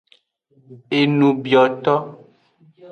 Enubioto.